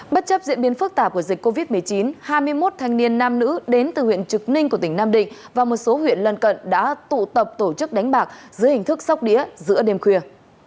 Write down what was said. bất chấp diễn biến phức tạp của dịch covid một mươi chín hai mươi một thanh niên nam nữ đến từ huyện trực ninh của tỉnh nam định và một số huyện lân cận đã tụ tập tổ chức đánh bạc dưới hình thức sóc đĩa giữa đêm khuya